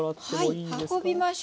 運びましょう。